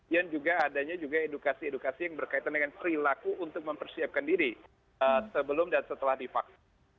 yang juga adanya juga edukasi edukasi yang berkaitan dengan perilaku untuk mempersiapkan diri sebelum dan setelah divaksin